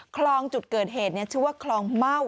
คลองจุดเกิดเหตุชื่อว่าคลองเม่า